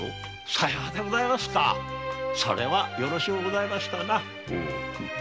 さようでございますかそれはよろしゅうございましたな。